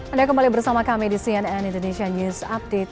anda kembali bersama kami di cnn indonesia news update